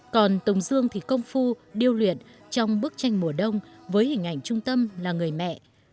còn tùng dương thì công phu điêu luyện trong bức tranh mùa đông với hình ảnh trung tâm là người mẹ